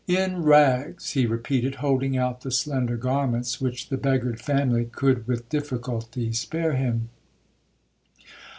—In rags!' he repeated, holding out the slender garments which the beggared family could with difficulty spare him.